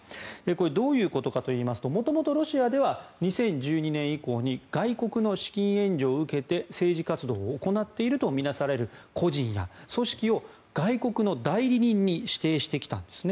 これはどういうことかといいますと元々、ロシアでは２０１２年以降に外国の資金援助を受けて政治活動を行っていると見なされる個人や組織を外国の代理人に指定してきたんです。